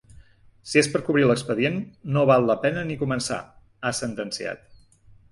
Si és per cobrir l’expedient, no val la pena ni començar, ha sentenciat.